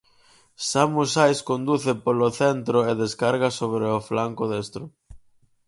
Samu Saiz conduce polo centro e descarga sobre o flanco destro.